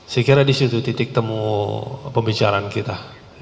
saya kira disitu titik temu pembicaraan kita